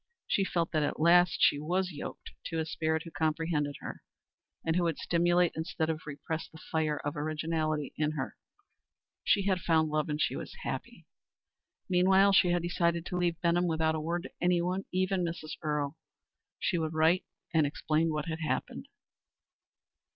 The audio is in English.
She felt that at last she was yoked to a spirit who comprehended her and who would stimulate instead of repress the fire of originality within her. She had found love and she was happy. Meanwhile she had decided to leave Benham without a word to anyone, even Mrs. Earle. She would write and explain what had happened.